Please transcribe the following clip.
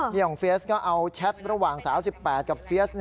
ของเฟียสก็เอาแชทระหว่างสาว๑๘กับเฟียส